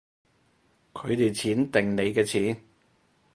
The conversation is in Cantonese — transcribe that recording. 佢哋錢定你嘅錢